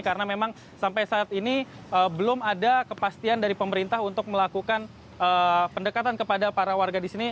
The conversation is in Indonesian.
karena memang sampai saat ini belum ada kepastian dari pemerintah untuk melakukan pendekatan kepada para warga di sini